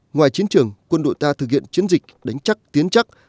ngoài chiến trường quân đội ta thực hiện chiến dịch đánh chắc tiến chắc